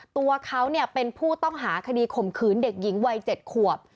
ตัวเขาเป็นผู้ต้องหาคดีข่มขืนเด็กหญิงวัย๗ขวบ